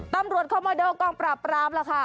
ตำรวจคอมโมโดกล้องปราบแล้วค่ะ